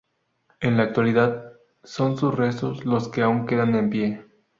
En la actualidad, son sus restos los que aún quedan en pie.